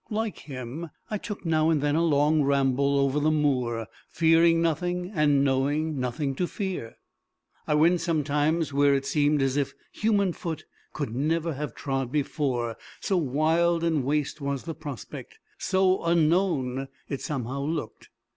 Like him, I took now and then a long ramble over the moor, fearing nothing, and knowing nothing to fear. I went sometimes where it seemed as if human foot could never have trod before, so wild and waste was the prospect, so unknown it somehow looked.